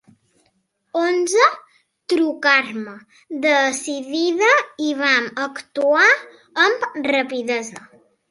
Onze trucar-me decidida i vam actuar amb rapidesa.